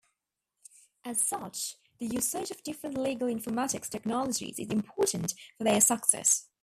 As such, the usage of different legal informatics technologies is important for their success.